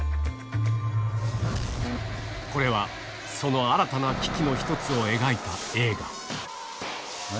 これは、その新たな危機の一つを描いた映画。